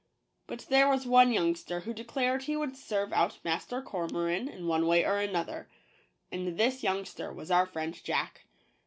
But there was one youngster who declared he would serve out Master Cormoran in one way or another ; and this youngster was our friend Jack.